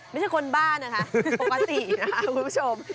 ไม่ใช่คนบ้านนะคะปกตินะคะคุณผู้ชม